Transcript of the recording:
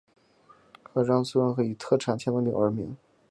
鄣城村以其特产千层饼而闻名。